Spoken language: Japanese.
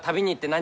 何？